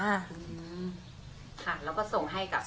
อืมค่ะแล้วก็ส่งให้กับ